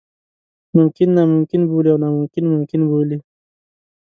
ممکن ناممکن بولي او ناممکن ممکن بولي.